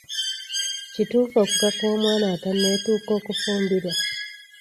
Kituufu okukaka omwana atanneetuuka okufumbirwa?